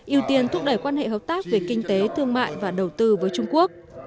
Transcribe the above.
ưu tiên thúc đẩy quan hệ hợp tác về kinh tế thương mại và đầu tư với trung quốc